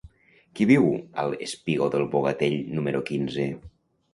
Qui viu al espigó del Bogatell número quinze?